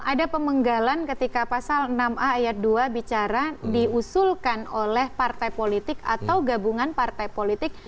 ada pemenggalan ketika pasal enam a ayat dua bicara diusulkan oleh partai politik atau gabungan partai politik